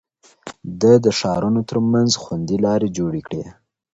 ده د ښارونو ترمنځ خوندي لارې جوړې کړې.